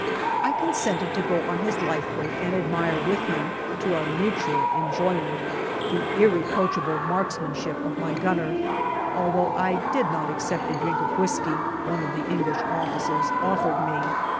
I consented to go on his lifeboat and admire with him, to our mutual enjoyment, the irreproachable marksmanship of my gunner, although I did not accept a drink of whisky one of the English officers offered me.